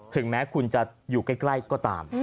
ถึงแม้คุณจะอยู่ใกล้ก็ตาม